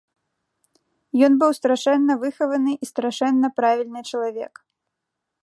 Ён быў страшэнна выхаваны і страшэнна правільны чалавек.